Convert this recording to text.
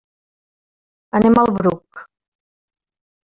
Anem al Bruc.